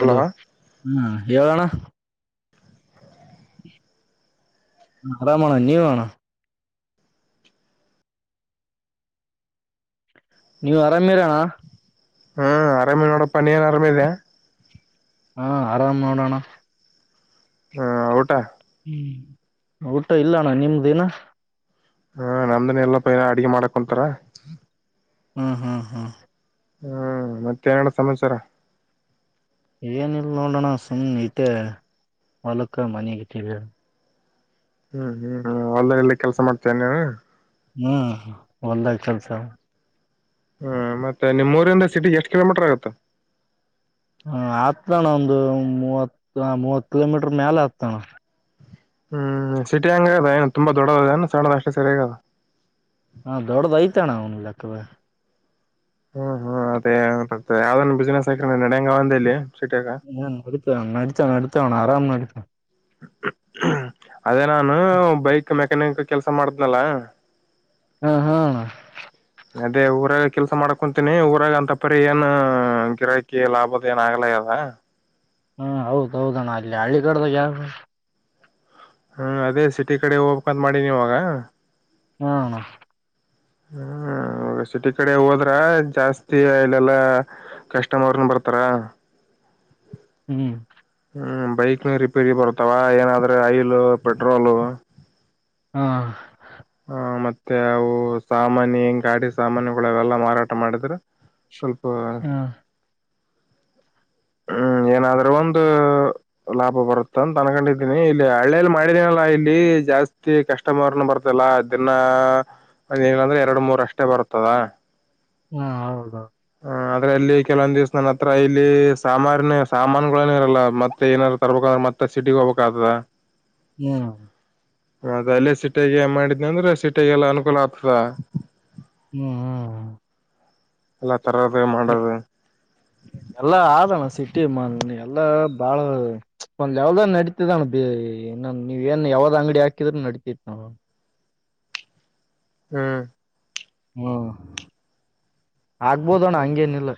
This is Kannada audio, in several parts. ಹಲೋ ಹಾ ಹೇಳಣ್ಣ ಆರಾಮಣ್ಣ ನೀವು ಅಣ್ಣ ನೀವು ಅರಾಮಿರಣ್ಣ ಹ್ಮ್ ಆರಾಮೇ ನೋಡಪ್ಪ ನೀ ಏನ್ ಆರಾಮೀದಿಯಾ ಹಾ ಆರಾಮ್ ನೋಡೋಣ ಹಾ ಊಟ ಹ್ಮ್ ಊಟ ಇಲ್ಲಣ್ಣ ನಿಮ್ದೇನ ಹಾ ನಮ್ದನ್ ಇಲ್ಲಪ್ಪ ಅಡ್ಗೆ ಮಾಡಕೊಂತರ ಹ್ಮ್ ಹ್ಮ್ ಹ್ಮ್ ಹ್ಮ್ ಮತ್ತೆ ಏನಣ್ಣ ಸಮಾಚಾರ ಏನಿಲ್ಲ ನೋಡೋಣ ಸುಮ್ನೆ ಇದ್ದೆ ಹೊಲಕ್ಕ ಮನೆಗಿದ್ವಿ ಹ್ಮ್ ಹ್ಮ್ ಹ್ಮ್ ಅಲ್ಲ ಎಲ್ಲಿ ಕೆಲ್ಸ ಮಾಡ್ತೇ ನೀವ ಹ್ಮ್ ಹೊಲದಾಗ ಕೆಲಸ ಹ್ಮ್ ಮತ್ತೆ ನಿಮ್ಮ್ ಊರಿಂದ ಸಿಟಿ ಎಷ್ಟ್ ಕಿಲೋಮೀಟರ್ ಆಗುತ್ತ ಹ ಆತಣ ಒಂದು ಮೂವತ್ ಮೂವತ್ ಕಿಲೋಮೀಟರ್ ಮ್ಯಾಲ ಆತಣ್ಣ ಹ್ಮ್ ಸಿಟಿ ಹಂಗ ಅದ ಏನು ತುಂಬಾ ದೊಡ್ಡದ ಸದ ಅಷ್ಟೇ ಸರಿಯಾಗಿ ಹಾ ದೊಡ್ಡದ ಐತಣ್ಣ ಒಂದು ಲೆಕ್ಕದಲ್ಲಿ ಹ್ಮ್ ಹ್ಮ್ ಅದೇ ಯಾವ್ದ ಬಿಸ್ನೆಸ್ ಹಾಕಿರ ನೆಡಿಯಗದ ಇಲ್ಲಿ ಸಿಟಿಯಾಗ ಹನೆಡಿತಾವ್ ನೆಡಿತಾವ್ ನೆಡಿತಾವನ್ನ ಆರಾಮ ನೆಡಿತಾವಾ ಅದೇ ನಾನು ಬೈಕ್ ಮೆಕ್ಯಾನಿಕ್ ಕೆಲ್ಸ ಮಾಡ್ತೀನಲ್ಲ ಹ್ಮ ಹ್ಮ ಅದೇ ಊರಾಗ ಕೆಲ್ಸ ಮಾಡ್ಕೊಂತೀನಿ ಊರಾಗ ಅಂತ ಪರಿ ಏನ್ ಗಿರಹಕಿ ಲಾಭದ ಏನ ಆಗಲಾ ಅದ ಹಾ ಹ್ಮ ಹೌದ ಹೌದಣ್ಣ ಅಲ್ಲಿ ಹಳ್ಳಿ ಕಡ್ದಾಗ ಯಾವ ಹ್ಮ್ ಅದೇ ಸಿಟಿ ಕಡೆ ಹೋಗಬಕಂತ ಮಾಡಿ ನೀವಾಗ ಹ್ಮ ಹ್ಮ ಹ ಸಿಟಿ ಕಡೆ ಹೋದ್ರ ಜಾಸ್ತಿ ಇಲ್ಲಲ್ಲಾ ಕಸ್ಟಮರ್ನು ಬರ್ತಾರ ಹ್ಮ್ ಹ್ಮ್ ಬೈಕ್ನ ರಿಪೇರಿ ಬರುತ್ತಾವ ಏನಾದ್ರೆ ಆಯಿಲು ಪೆಟ್ರೋಲು ಹಾ ಹ ಮತ್ತೆ ಅವು ಸಾಮಾಾನಿ ಹೆಂಗ ಗಾಡಿ ಸಾಮಾನ್ಿಗಳವೆೆಲ್ಲಾ ಮಾರಾಟ ಮಾಡಿದ್ರೆ ಸ್ವಲ್ಪ ಹಾ ಹ್ಮ್ ಏನಾದ್ರೂ ಒಂದು ಲಾಭ ಬರುತ್ತ ಅಂತ ಅನ್ಕೊಂಡಿದ್ದೀನಿ ಇಲ್ಲಿ ಹಳ್ಳೇಲ್ಲಿ ಮಾಡಿದೀನಲ್ಲಾ ಇಲ್ಲಿ ಜಾಸ್ತಿ ಕಸ್ಟಮರ್ ಬರ್ತ ಲ್ಲ ದಿನ ಏನಂದ್ರೆ ಎರಡು ಮೂರ ಅಷ್ಟೇ ಬರುತ್ತದ ಹ್ಮ ಹೌದೌದು ಹ ಆದ್ರೆ ಅಲ್ಲಿ ಕೆಲವೊ್ ದಿವ್ಸ ನನ್ನ ಹತ್ರ ಇಲ್ಲಿ ಸಾಮಾನ್ ಸಾಮಾನುಗಳನು ಇರಲ್ಲ ಮತ್ತೆ ಏನಾದಾರರು ತರಬೇಕ ಮತ್ತೆ ಸಿಟಿಗ್ ಹೋಗ್ಬೇಕಕ್ ಆದ ಹ್ಮ ಮತ್ತ ಅಲ್ಲೇ ಸಿೀಟೆಗೆ ಮಾಡಿದ್ನಿ ಅಂದ್ರೆ ಸಿೀಟೆಗೆಲ್ಲ ಅನುಕೂಲ ಆಗ್ತದ ಹ್ಮ ಹಾ ಅಲ್ಲ ಎಲ್ಲಾ ಆದಣ ಸಿಟ್ಟಿ ಮಾಲ್ ಎಲ್ಲಾ ಬಾಳ ಒಂದ ಯಾವ್ದ ನಡತಿದಣ ಬ ಇನ್ನೊ ನೀವ ಏನ್ ಯಾವ್ದ್ ಅಂಗಡಿ ಹಾಕಿದ್ರ ನಡತಿತ್ ನಾವವು ಹ್ಮ್ ಹ್ಮ ಆಗ್ಬೋದಣ್ಣ ಹಂಗೇನಿಲ್ಲ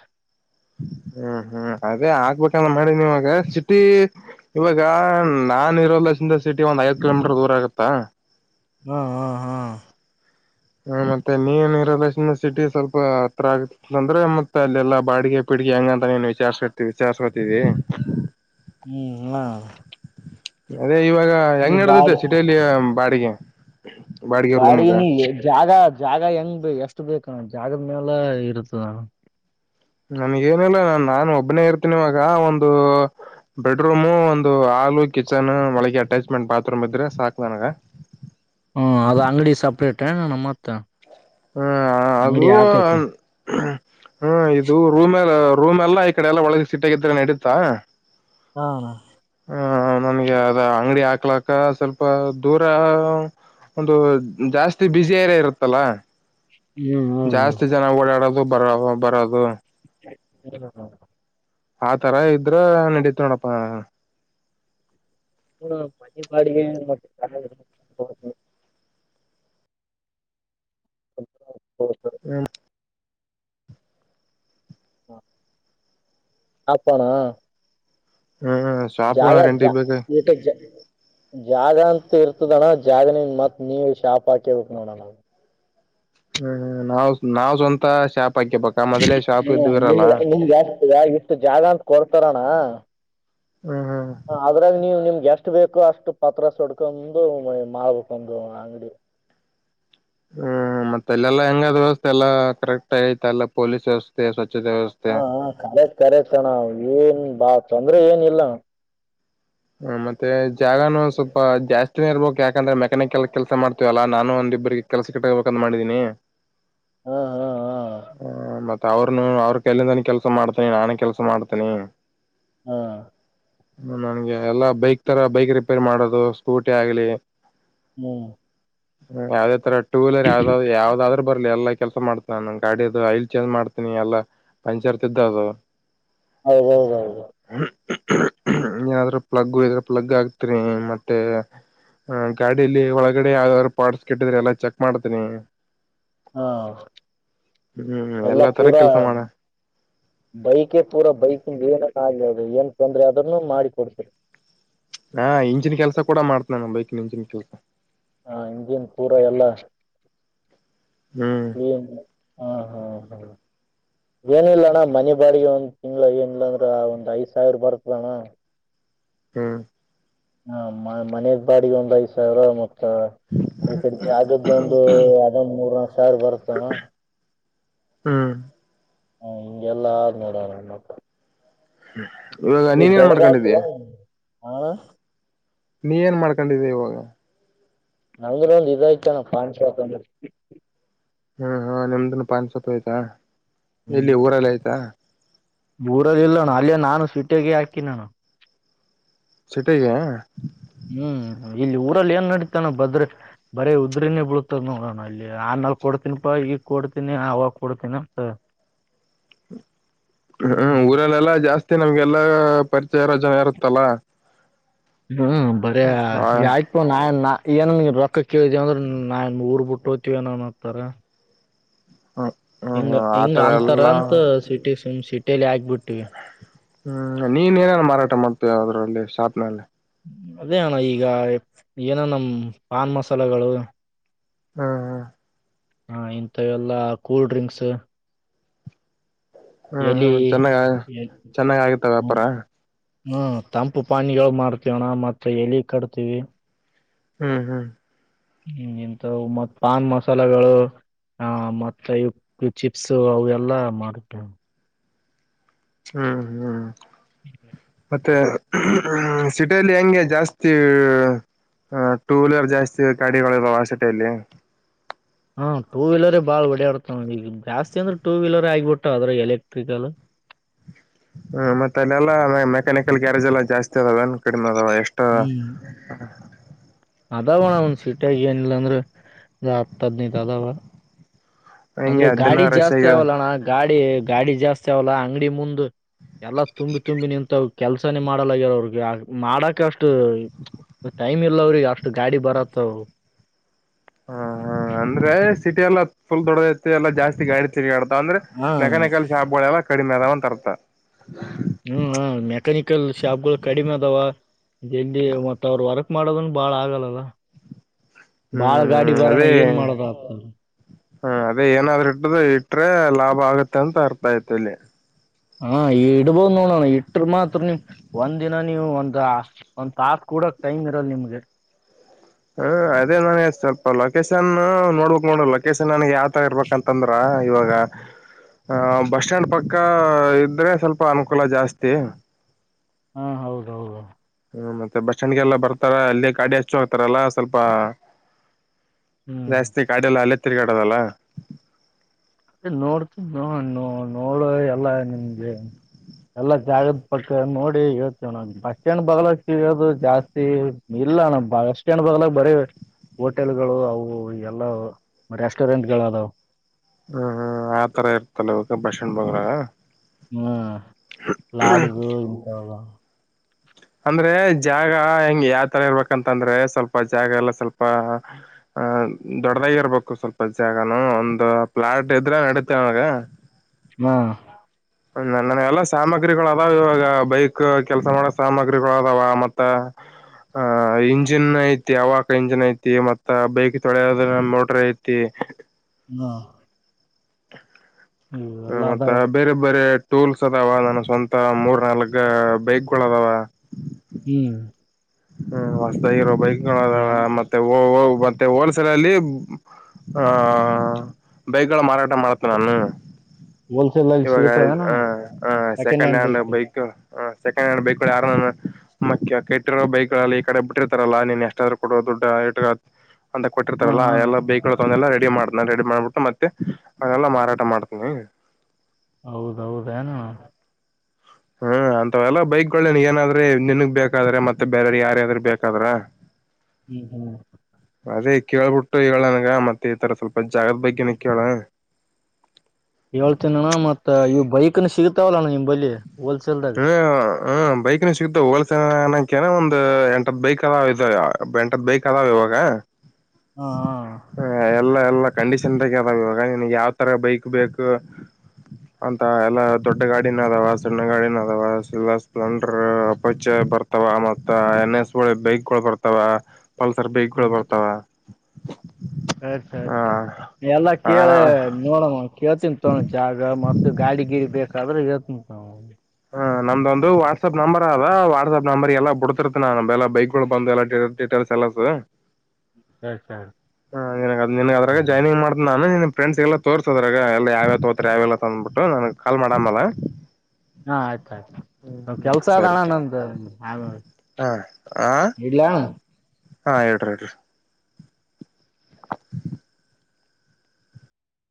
[inaudible] ಹ್ಮ್ ಹ್ಮ್ ಅದೇ ಆಕ್ಬೇಕಲ್ಲ ಮಾಡಿನಿ ಇವಾಗ ಸಿಟಿ ಇವಾಗ ನಾಾನನ್ ಇರಲ್ಲ ಸಿಟ ಒಂದ್ ಐದ ಕಿಲೋಮೀಟರ್ ದೂರ ಆಗುತ್ತಾ ಹ್ಮ್ ಹ್ಮ್ ಹ್ಮ್ ಹ್ಮ ಮತ್ತೆ ನೀ ನೀ ಇರಲ್ಲ ಸಿಟಿ ಸ್ವಲ್ಪ ಹತ್ರ ಆಗತ್ ಅಂದ್ರೆ ಮತ್ತೆ ಅಲ್ಲೆಲ್ಲಾ ಬಾಡಿಗೆ ಹಡ್ ಹೆಂಗಂತ ನೀನು ವಿಚಾರ್ಸ್ಕತಿ ವಿಚಾರ್ಸ್ಕೊತಿದವಿ ಹ್ಮ್ ಹ್ಮ ಅದೇ ಇವಾಗ ಹೆಂಗ್ ನಡದತೆೆ ಸಿಟಿಯಲ್ಲಿ ಬಾಡಿಗೆ ಬಾಡಿಗೆ ಬಾಳ ರೂಮ್ಗ ನೀ ಜಾಗ ಅದು ಜಾಗ ಹೆಂಗ್ ಎಷ್ಟು ಬೇಕ ನ ಜಾಗದ ಮೇಲೆ ಇರುತ್ತ ನನ್ಗೇನಿಲ್ಲ ನಾ ನಾನು ಒಬ್ಬನೇ ಇರ್ತನಿವಾಗ ಒಂದು ಬೆಡ್ರೂಮು ಒಂದು ಹಾಲು ಕಿಚನ್ ಮಳಗೆ ಅಟ್ಯಾಚ್ಮೆಂಟ್ ಬಾತ್ರೂಮ್ ಇದ್ರೆ ಸಾಕ್ ನನಗ ಹ್ಮ ಅದ ಅಂಗಡಿ ಸಪ್ರೇಟ್ ಏಣ ಮತ್ತ ಹ್ಮ ಹಾಗೂ ಹ್ಮ ಇದು ರೂಮ್ ಎಲ್ಲ ರೂಮ್ ಎಲ್ಲಾ ಈ ಕಡೆ ಎಲ್ಲಾ ಒಳಗೆ ಸಿೀಟ್ ಆಾಗಿದ್ರ ನಡುತ್ತಾ ಹಾ ಹ ನನ್ಗೆ ಅದ ಅಂಗಡಿ ಹಾಕ್ಲಾಕ್ಕ ಸ್ವಲ್ಪ ದೂರ. ಒಂದು ಜಾಸ್ತಿ ಬುಿಸರ ಇರುತ್ತಲ್ಲ. ಹ್ಮ್ ಹ್ಮ್ ಹ್ಮ್ ಜಾಸ್ತಿ ಜನ ಓಡಾಡೋದು ಬರ ಬರದು ಹ್ಮ ಹ ಆತರ ಇದ್ರ ನಡತ್ ನೋಡಪ್ಪಾ ಮನೆ ಬಾಡಿಗೆ ಹೆಲ್ಪ್ ಹೆಲ್ಪ್ ಹ [unintelligible] ಹಾಕಣ್ಣ ಶಾಪ್ಗಳ ಜಾಗಜಾ ರೆಂಟಿಗೆ ಬೇಕ ಯುಟುಜೂ ಜಾಗ ಅಂತ ಇರ್ತದಣ ಜಾಗನಿಂದ ಮತ್ತ್ ನೀವು ಶಾಪ್ ಹಾಕೇಬೇಕು ನೋಡಣ್ಣ ನಾವು. ಹ್ಮ್ ನಾವು ನಾವ್ ಸ್ವಂತ ಶಾಪ ಹು ನಿ ನಿಮಲು ಜಾಸ್ತಿ ಇಷ್ಟು ಜಾಗ ಅಂತ ಕೊಡ್ತಾರಣ ಹ್ಮ್ ಹ್ಮ್ ಹ ಅದ್ರಲ್ ನೀವಿಲ್ ಎಷ್ಟು ಬೇಕು ಅಷ್ಟು ಪತ್ರ ಸುಡ್ಕೊಂಡು ಮಾಡ್ಬೇಕಂದು ಅಂಗಡಿ. ಹ್ಮ್ ಮತ್ತೆ ಎಲ್ಲಾ ಹೆಂಗಾದ್ ವ್ಯವಸ್ಥೆ ಎಲ್ಲಾ ಕರೆಕ್ಟ್ ಆಯತಲ್ಲ ಪೊಲೀಸ್ ವ್ಯವಸ್ಥೆ ಸ್ವಚ್ಛ ಹಾ ಹಾ ಕರೆಕ್ಟ್ ಕರೆಕ್ಟ್ ಅಣ್ಣ ಏನ್ ಬಾ ತೊಂದ್ರೆ ಏನು ಇಲ್ಲಣ್ಣ. ಹ್ಮ ಮತ್ತೆ ಜಾಗನು ಸ್ವಲ್ಪ ಜಾಸ್ತಿನೇ ಇರಬೇಕು ಯಾಕಂದ್ರೆ ಮೆಕ್ಯಾನಿಕಲ್ ಕೆಲ್ಸ ಮಾಡ್ತೀವಲ್ಲಾ ನಾನು ಒಂದ ಇಬ್ಬರಿಗೆ ಕೆಲಸ ಇಟ್ಕೋಬೇಕಂತ ಮಾಡಿದೀನಿ ಹಾ ಹಾ ಹಾ ಹ ಮತ್ತ್ ಅವ್ರನು ಅವ್ರ ಕೇಳಿದನ್ ಕೆಲ್ಸ ಮಾಡ್ತೇನೆ ನಾನು ಕೆಲ್ಸ ಮಾಡ್ತೇನೆ. ಹಾ ನಂಗೆ ಎಲ್ಲಾ ಬೈಕ್ ತರ ಬೈಕ್ ರಿಪೇರ್ ಮಾಡೋದು ಸ್ಕೂಟಿ ಆಗ್ಲಿ. ಮೂ ಯಾವ್ದೇ ತರ ಟೂ ವೀಲರ್ ಯಾವ್ದ್ ಯಾವ್ದಾದ್ರು ಬರ್ಲಿ ಎಲ್ಲಾ ಕೆಲಸ ಮಾಡ್ತೇನ್ ನನ್ನ ಗಾಡಿದು ಐಲ್ ಚೇಂಜ್ ಮಾಡ್ತೀನಿ ಎಲ್ಲಾ ಪಂಚರ್ ತಿದ್ದದು. ಅಯ್ಯಯ್ಯೋ ನೀವಾದ್ರೂ ಪ್ಲಗ್ ಇದ್ರ ಪ್ಲಗ್ ಹಾಕಿಸ್ಥಿರ ಮತ್ತೆ, ಹ ಗಾಡಿಯಲ್ಲಿ ಒಳಗಡೆ ಯಾವ್ದಾದ್ರು ಪಾರ್ಟ್ಸ್ ಕೆಟ್ಟಿದ್ರೆ ಎಲ್ಲಾ ಚೆಕ್ ಮಾಡ್ತೇನಿ. ಹಾ ಹ್ಮ್ ಎಲ್ಲ ಎಲ್ಲಾ ತರ ಪೂರಾ ಕೆಲ್ಸ ಮಾಡ ಬೈಕೇ ಪೂರಾ ಬೈಕಿಂಗ್ ಏನಕ್ಕ ಕಾಣಲ್ಲ ಡೀಸೆಲ್ ತೊಂದ್ರೆ ಅದನ್ನು ಮಾಡಿ ಕೊಡು ಹಾ ಇಂಜಿನ್ ಕೆಲಸ ಕೂಡಾ ಮಾಡ್ತನಿ ಅಣ್ಣ ಬೈಕ್ ನ ಇಂಜಿನ್ ಕೆಲ್ಸ. ಹಾ ಇಂಜಿನ್ ಪೂರಾ ಎಲ್ಲ. ಹ್ಮ್ [inaudible] ಏನಿಲ್ಲ ಅಣ್ಣ ಮನೆ ಬಾಡಿಗೆ ಒಂದ್ ತಿಂಗ್ಳ ಏನಿಲ್ಲಾ ಅಂದ್ರ ಒಂದ್ ಐದು ಸಾವಿರ ಬರ್ತದಣ್ಣ. ಹ್ಮ ಹ ಮನೆದು ಬಾಡಿಗೆ ಒಂದ್ ಐದು ಸಾವಿರ ಮ ಈ ಕಡೆ ಜಾಗದ್ದುಚಂಡೆ ಅದನ್ನ ಮೂರ್ ನಾಲ್ಕು ಸಾವಿರ ಬರುತ್ತಣ್ಣ. ಹ್ಮ್ ಹ ಹಿಂಗೆಲ್ಲಾದ್ದೂ ನೋಡೋರಿಲ್ಲಪ್ಪ. ಇವಾಗ ನೀನ್ ಏನ್ ಮಾಡ್ಕೊಂಡಿದ್ದೀಯಾ. ಹ ನೀನ್ ಏನು ಮಾಡ್ಕೊಂಡಿದ್ದೀಯಾ ಇವಾಗ. ಅವರ ರಿಸಲ್ಟ್ ಚಾನಲ್ ಸಾಂಗ್ ಚಾಟಲ್ಲಿ. ಹ್ಮ್ ಹಾ ನಮ್ದುಲಿ ಪಾನ್ ಸತ್ತೋಯ್ತಾ ಎಲ್ಲಿ ಹ್ಮ್ ಊರಲ್ ಐಯ್ತಾ. ಊರಲ್ಲಿ ಇಲ್ಲಣ್ಣ ಅಲ್ಲೆ ನಾನು ಸ್ಟುಟಗೆ ಹಾಕಿಲ್ಲಣ. ಸ್ವೀಟೆಗಾ ಹ್ಮ್ ಇಲ್ಲಿ ಊರಲ್ಲಿ ಏನ್ ನಡೀತಾನ ಬದ್ರೆ ಬರೇ ಉದ್ರಿನೇ ಬೀಳತದ ನೋಡೋಣ ಅಲ್ಲಿ. ನಾವು ಕೊಡ್ತೀನಿ ಪಾ ಈಗ ಕೊಡ್ತೀನಿ ಆವಾಗ ಕೊಡ್ತೀನಿ ಅಂತ ಹ್ಮ ಹ ಹಾ ಹ್ಮ್ ಊರಲ್ಲೆಲ್ಲಾ ಜಾಸ್ತಿ ನಮ್ಗೆಲ್ಲಾ ಪರಿಚಯ ಜನ ಇರುತ್ತಲ್ಲ. ಇಗ ಬರೇ ಹ ಹ್ಮ್ ಐಫೋನ್ ನಾ ನಾ ಏನ ನೀ ರೊಕ್ಕ ಕೇಳಿದೀವ ಅಂದ್ರೆ ನಾನ್ ಊರ್ ಬಿಟ್ಟು ಹೋತಿವ ಅಣ್ಣ ಅಂತಾರೆ. ಹಾ. ಹಿಂಗ ಹಿಂಗ್ ಅಂತರ ಅಂತ ಸಿಟಿ ಸುಮ್ ಸಿಟ್ಟಿಲೆ ಆಗಬಿಟ್ಟಿವಿ. ಹ್ಮ್ ನೀನ ಏನೇನ್ ಮಾರಾಟ ಮಾಡ್ತೀಯ ಅದ್ರಲ್ಲಿ ಶಾಪ್ನಲ್ಲಿ. ಅದೇ ಅಣ್ಣ ಈಗ ಏನನ ಮ್ ಪಾನ್ ಮಸಾಲಗಳು. ಹ್ಮ್ ಹ್ಮ್ ಹಾ ಇಂಥವೆಲ್ಲಾ ಕೂಲ್ ಡ್ರಿಂಕ್ಸ್. ಹ್ಮ್ ಹ್ಮ್ ಎಲಿ ಹ್ಮ್ ಚೆನ್ನಾಗ ಎಲ್ ಚೆನ್ನಾಗ್ ಆಗತ್ತ ಹ್ಮ. ವ್ಯಾಪಾರ ಹ್ಮ ತಂಪು ಪಾನಿಗೋಳು ಮಾಡ್ತಿವಣ್ಣ ಮತ್ತ ಎಲಿ ಕಟ್ತೀವಿ. ಹ್ಮ್ ಹ್ಮ್ ಹ್ಮ್ ಹಿಂತವ್ ಮತ್ ಪಾನ್ ಮಸಾಲಗಳು. ಹಾ ಮತ್ತ ಇವ್ ಚಿಪ್ಸಗಳು ಅವೆಲ್ಲಾ ಮಾಡ್ತೇವ. ಹ್ಮ್ ಹ್ಮ್ ಹ್ಮ ತ್ತೆ ಸಿಟಿಯಲಿ ಹೆಂಗೆ ಜಾಸ್ತಿ ಹ ಟೂ ವೀಲರ್ ಜಾಸ್ತಿ ಗಾಡಿಗೊಳ ಇದಾವ ಸಿಟಿಯಲ್ಲಿ. ಹಾ ಟೂ ವೀಲರೇ ಬಾಳ್ ಒಡ್ಯಾಡತಾವ್ ಇಲ್ಲಿ ಜಾಸ್ತಿ ಅಂದುರ್ ಟೂ ವೀಲರೇ ಆಗಿಬಿಟ್ಟವ ಅದರೆ ಎಲೆಕ್ಟ್ರಿಕಲ್. ಹ್ಮ ಮತ್ತ ಅಲ್ಲೆಲ್ಲಾ ಮೆಕ್ಯಾನಿಕಲ್ ಗ್ಯಾರೇಜ್ ಎಲ್ಲಾ ಜಾಸ್ತಿ ಅದವೇನ್ ಕಡಿಮೆ ಅದಾವ ಎಷ್ಟ ಈ ಅದಾವಣ ಒಂದ ಸಿಟ್ಯಾಗ್ ಏನಿಲ್ಲ ಅಂದ್ರ. ಅ ಹತ್ತ ಹದನೈದ್ ಅದಾವ. ಅಂದ್ರೆ ಹೆಂಗೆ ಗಾಡಿ ದಿನ ರಶ್ ಜಾಸ್ತಿ ಆಗಿ ಅವಲಣ್ಣ ಗಾಡಿ ಗಾಡಿ ಜಾಸ್ತಿ ಅವಲ್ಲ ಅಂಗಡಿ ಮುಂದು ಎಲ್ಲಾ ತುಂಬಿ ತುಂಬಿ ನಿಂತವ ಕೆಲ್ಸಾನೇ ಮಾಡಲಗ್ಯರ ಅವ್ರಿಗೆ ಆಗ್ ಮಾಡಕ ಅಷ್ಟ ಟೈಮ್ ಇಲ್ಲ ಅವ್ರಿಗ ಅಷ್ಟ ಗಾಡಿ ಬರಾತಾವ್. ಹಾ ಹ ಅಂದ್ರ ಸಿಟಿ ಎಲ್ಲ ಫುಲ್ ದೊಡ್ಡದೈತಿ ಎಲ್ಲಾ ಜಾಸ್ತಿ ಗಾಡಿ ತಿರಗ್ಯಾಡ್ ಅಂದ್ರ ಹಾ ಮೆಕ್ಯಾನಿಕಲ್ ಶಾಪ್ಗಳೆಲ್ಲ ಕಡಿಮೆ ಅದವಂತ್ ಅರ್ಥ. ಹ್ಮ್ ಹ ಮೆಕ್ಯಾನಿಕಲ್ ಶಾಪ್ಗೋಳ ಕಡಿಮೆ ಅದಾವ ಎಲ್ಲಿ ಮತ್ ಅವರ್ ವಾರ. ಮಾಡೋದನ್ ಬಾಳ ಆಗಲ್ ಅಲಾ ಬಾಳ್ ಗಾಡಿ ಹ್ಮ್ ಬರಣ ಏನ್ ಮಾಡೋದ ಆಗ್ತದ. ಹ್ಮ ಅದೇ ಏನಾದ್ರು ಹಿಡದ ಇಟ್ರ ಲಾಭ ಆಗತ್ತ ಅಂತ ಅರ್ಥ ಐತ್ ಇಲ್ಲಿ. ಹಾ ಇಡಬೋದ ನೋಡಣ ಇಟ್ಟ್ರೂನು ಮಾತ್ರ ನೀ ಒಂದಿನ ನೀವು ಒಂದ ಆ ಒಂದ್ ಪ ಕೂಡಾ ಟೈಮ್ ಇರಲ್ ನಿಮ್ಗ. [inaudible] ಹ ಅದೇ ನಾನೇ ಸ್ವಲ್ಪ ಲೊಕೇಶನು ನೋಡ್ಬಕ್ ನೋಡ ಅಲ್ಲಿ ಲೊಕೇಶನ್ ನನಗ್ ಯಾವ ತರ ಇರ್ಬೇಕಂತಂದ್ರ. ಅ ಇವಾಗ. ಆ ಬಸ್ಟಾಂಡ್ ಪಕ್ಕ ಇದ್ರೆ ಸ್ವಲ್ಪ ಅನುಕೂಲ ಜಾಸ್ತಿ. ಹಾ ಹೌದೌದ. ಹ್ಮ ಮತ್ತ ಬಸ್ ಸ್ಟಾಂಡ್ಗೆಲ್ಲ ಬರ್ತಾರ ಅಲ್ಲೆ ಗಾಡಿ ಹಚ್ಚ ಹೊತಾರ ಅಲ್ಲ ಸ್ವಲ್ಪ. ಹ್ಮ್ ಜಾಸ್ತಿ ಗಾಡಿಯಲ್ಲ ಅಲ್ಲೆ ತೀರ್ಗ್ಯಡದಲ್ಲ. ಏ ನೋಡ್ ನೋ ನೋ ನೋಡೋದೇ ಎಲ್ಲ ನಿಮಗೆ. ಎಲ್ಲ ಜಾಗದ ಪಕ್ಕ ನೋಡಿ ಹೇಳ್ತೇನ ನಾ ಬಸ್ ಸ್ಟ್ಯಾಂಡ್ ಬಾಗಲಾಗ್ ಸಿಗದು ಜಾಸ್ತಿ ಈ ಇಲ್ಲಣ್ಣ ಬಸ್ಟ್ಯಾಂಡ್ ಬಾಗಲಾಗ್ ಬರೆ. ಹೋಟೆಲ್ಗಳು ಅವು ಎಲ್ಲ ವ ರೆಸ್ಟೋರೆಂಟ್ಗಳ ಅದಾವ. ಹ್ಮ್ ಹ್ಮ್ ಆತರ ಇರ್ತಲ್ಲ [unintelligible] ಬಸ್ಟ್ಯಾಂಡ್ ಬಾಗಲಾಗ್. ಹ್ಮ್ ಲಾಡ್ಜು ಇಂತವ್ ಅದವ. ಅಂದ್ರೆ ಜಾಗ ಹೆಂಗ ಯಾತರ ಇರ್ಬೇಕಂತಂದ್ರೆ ಸ್ವಲ್ಪ ಜಾಗ ಎಲ್ಲ ಸ್ವಲ್ಪ್ ಆ ದೊಡ್ಡದಾಗೆ ಇರ್ಬೇಕು ಸ್ವಲ್ಪ ಜಾಗನು ಒಂದ ಪ್ಲಾಟ್ ಇದ್ರ ನಡೀತ ಅವಾಗ. ನಾ ಹ ನನ್ ನನ್ನೆಲ್ಲಾ ಸಾಮಗ್ರಿಗೋಳ ಅದಾವ ಇವಾಗ ಬೈಕ್ ಕೆಲ್ಸ ಮಾಡ ಸಾಮಾಗ್ರಿಗೋಳು ಅದಾವ ಮತ್ತ. ಆಹ ಇಂಜಿನ್ ಐತಿ ಅವಕ ಇಂಜಿನ್ ಐತಿ ಮತ್ತ ಬೈಕ್ ತೊಳೆಯದ ಮೋಟರ್ ಐತಿ. ಹಾ ಹ ಇವೆಲ್ಲ ಮತ್ತ ಅದಾವ ಬೇರೆ ಬೇರೆ. ಟೂಲ್ಸ್ ಅದಾವ ನನ್ನು ಸ್ವಂತ ಮೂರ್ ನಾಲ್ಕ್ ಬೈಕ್ಗೋಳು ಅದಾವ. ಹ್ಮ್ ಹ್ಮ್ ಹೊಸದಾಗಿರೋ ಬೈಕ್ಗಳ ಅದಾವ ಎಲ್ಲ ಮತ್ತೆ ಓ ಮತ್ತೆ ಹೋಲ್ಸೇಲ್ ಅಲ್ಲಿ ಆ ಬೈಕ್ಗಳ ಮಾರಾಟ ಮಾಡತೆ ನಾನು. ಹೋಲ್ಸೇಲ್ ಆಗಿ ಇವಾಗ ಹ ಸಿಗುತ್ತಾವೇನಣ್ಣ ಹ ಸೆಕೆಂಡ್ ಹ್ಯಾಂಡ್ ಬೈಕ್.. ಹ ಸೆಕೆಂಡ್ ಹ್ಯಾಂಡ್ ಬೈಕ್ ಆರ ಮ ಕೆಟ್ಟಿರೋ ಬೈಕ್. ಈ ಕಡೆ ಬಿಟ್ಟಿರ್ತಾರಲ್ಲಾ ನೀನ್ ಎಷ್ಟಾದ್ೂ ಕೊಡ ದುಡ್ಡ ಇಟ್ಕ. ಅಂತ ಹಾ ಕೊಟ್ಟಿತಾರಲ್ಲ ಹಾ ಎಲ್ಲ ಬೇಕೆಲ್ಲ ರೆಡಿ ಮಾಡ್ತನ ರೆಡಿ ಮಾಡ್ಬಿಟ್ಟು ಮತ್ತೆ ಅದೆಲ್ಲ ಮಾರಾಟ ಮಾಡ್ತನಿ. ಹೌದೌದ ಎನ. ಹ್ಮ್ ಅಂತವೆಲ್ಲ ಬೈಕ್ಗಳೇ ಏನಾದ್ರೆ ನಿನ್ಗ್ ಬೇಕಾದ್ರೆ ಮತ್ತೆ ಬೇರೆ್ರ ಯಾರ್ಯಾದ್ರರು ಬೇಕಾದ್ರ. ಹ್ಮ ಹ್ಮ್ ಅದೇ ಕೇಳ್ಬಿಟ್ಟು ಹೇಳನಗ ಮತ್ತೆ ಈ ತರ ಸ್ವಲ್ಪ ಜಾಗದ ಬಗ್ಗೆನ ಕೇಳ. ಹೇಳ್ತನಣ್ಣ ಮತ್ತ ಇವು ಬೈಕ್ನ ಸಿಗತಾವಲ್ಲ ಅಣ್ಣ ನಿಮಲ್ಲಿಿ ಹೋಲ್ಸೇಲ್ದಾಗ. ಹ್ಮ ಬೈಕ್ ಸಿಗತ ಹೋಲ್ಸ ಅಕನ ಒಂದ್ ಎಂಟತ್ ಬೈಕ್ ಅದಾವ ಇದಾವ ಎಂಟತ್ ಬೈಕ್ ಅದಾವ. ಇವಾಗ ಹಾ ಹ ಎಲ್ಲ ಎಲ್ಲಾ ಕಂಡೀಷನ್ಾಗ ಅದಾವ ಇವಾಗ ನೀ ಯಾವ್ ತರ ಬೈಕ್ ಬೇಕು. ಅಂತ ಎಲ್ಲಾ ದೊಡ್ಡ ಗಾಡಿನ ಅದಾವ ಸಣ್ಣ ಗಾಡಿನ ಅದಾವಲ್ಲ ಸ್ಪ್ಲೆಂಡರ್ ಅಪಚ. ಬರ್ತಾವ ಮತ್ತ ಎನ್ ಎಸ್ ಒಳಿ ಬೈಕ್ ಗಳು ಬರ್ತಾವ ಪಲ್ಸರ್ ಬೈಕ್ ಗಳು ಬರ್ತಾವ. ಸರಿಸ ಅರಿತಾ ಎಲ್ಲಾ ಕೇಳಿದೆ ಹ ನೋಡವ. ಹೇಳ್ತನ್ ತ ಜಾಗ ಮತ್ತತ ಗಾಡಿ ಗಿಡಿ ಬೇಕಾದ್ರೆ ಹೇಳ್ತನ್ ತ. ನಮ್ದೊಂದು ವಾಟ್ಸಆಪ್ ನಂಬರ್ ಅದ ವಾಟ್ಆಪ್ ನಂಬರ್ ಎಲ್ಲ ಬಿಡ್ತಿರ್ತ್ತ ನಮ್ಲ್ ಬೈಕ್ಗಳು ಬಂದು ಎಲ್ಲ. ಸರಿ ಸರಿ ಎಲಕುವೆ ನಿನ್ನದ್ರಗ ಹ್ಮ್ ಜಾಯಿನ್ ಮಾಡ್ತೀನಿ. ಫ್ರೆಂಡ್ಸ್ ಎಲ್ಲ ತೋರ್ಸೋದ್ರಾಗ ಎಲ್ಲ ಯಾವ್ಯಾವ ತೋತ್ರೆ ಯಾವ್ಯಲ್ಲ ತಂದ್ಬಿಟ್ಟು ನನ್ಗೆ ಕಾಲ್ ಮಾಡಮ್ಮಲ್ಲ. ಹ ಆಯ್ತ ಆಯ್ತು ಕೆಲ್ಸದಣನಂದ ಆ ಹ ಆ ಇಡ್ಲಾ. ಹಾ ಹೇಳ್ರಿ ಹೇಳ್ರಿ [inaudible]